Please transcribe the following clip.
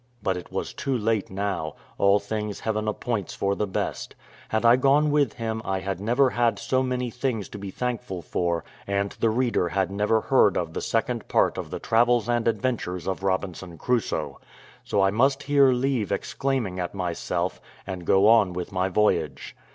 But it was too late now; all things Heaven appoints for the best: had I gone with him I had never had so many things to be thankful for, and the reader had never heard of the second part of the travels and adventures of Robinson Crusoe: so I must here leave exclaiming at myself, and go on with my voyage.